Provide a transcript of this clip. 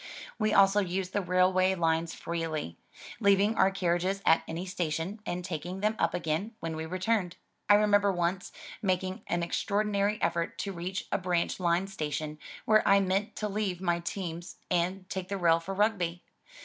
We also used the railway lines freely, leaving our carriages at any station, and taking them up again when we returned. I remember once making an extraordinary effort to reach a branch line station where I meant to leave my teams and take the rail for Rugby.